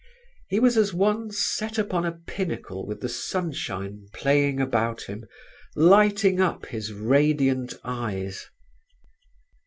He was as one set upon a pinnacle with the sunshine playing about him, lighting up his radiant eyes.